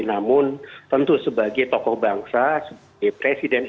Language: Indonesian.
namun tentu sebagai tokoh bangsa sebagai presiden